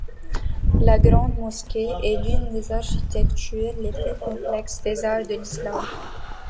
La grande mosquée est l'une des architectures les plus complexes des arts de l'Islam.